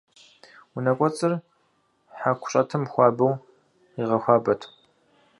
Унэкӏуэцӏыр хьэку щӏэтым хуабэу къигъэхуабэт.